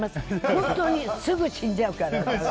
本当にすぐ死んじゃうから。